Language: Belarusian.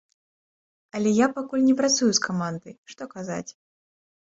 Але я пакуль не працую з камандай, што казаць.